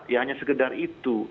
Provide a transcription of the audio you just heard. ya hanya sekedar itu